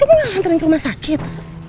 aku nggak nganterin ke rumah sakit